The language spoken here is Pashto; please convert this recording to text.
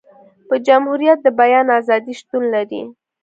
په جمهوريت د بیان ازادي شتون لري.